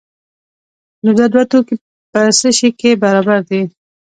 نو دا دوه توکي په څه شي کې برابر دي؟